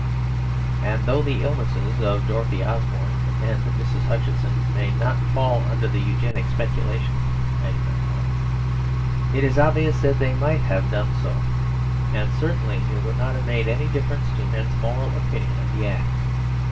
And though the illnesses of Dorothy Osborne and Mrs. Hutchinson may not fall under the Eugenic speculations (I do not know), it is obvious that they might have done so; and certainly it would not have made any difference to men's moral opinion of the act.